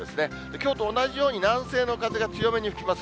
きょうと同じように、南西の風が強めに吹きます。